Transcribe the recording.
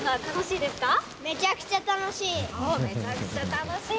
めちゃくちゃ楽しい。